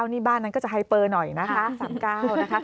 นี่บ้านนั้นก็จะไฮเปอร์หน่อยนะคะ๓๙นะคะ